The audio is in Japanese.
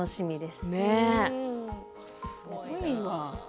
すごいわ。